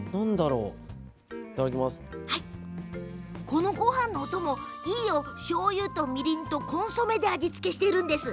この、ごはんのお供飯いいをしょうゆとみりんとコンソメで味付けしているんです。